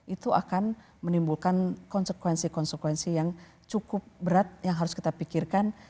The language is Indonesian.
itu akan menimbulkan konsekuensi konsekuensi yang cukup berat yang harus kita pikirkan